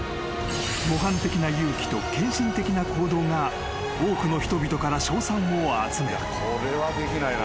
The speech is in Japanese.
［模範的な勇気と献身的な行動が多くの人々から称賛を集めた］